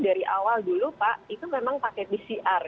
dari awal dulu pak itu memang pakai pcr